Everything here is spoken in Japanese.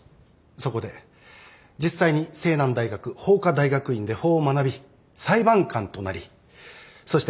そこで実際に青南大学法科大学院で法を学び裁判官となりそして